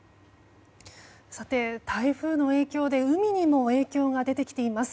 さて、台風の影響で海にも影響が出てきています。